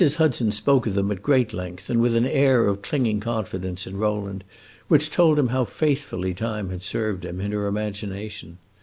Hudson spoke of them at great length and with an air of clinging confidence in Rowland which told him how faithfully time had served him, in her imagination.